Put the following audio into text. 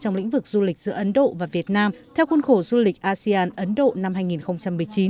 trong lĩnh vực du lịch giữa ấn độ và việt nam theo khuôn khổ du lịch asean ấn độ năm hai nghìn một mươi chín